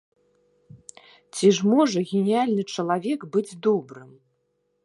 Ці можа геніяльны чалавек быць добрым?